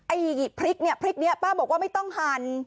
อีกพริกเนี่ยพริกนี้ป้าบอกว่าไม่ต้องหั่น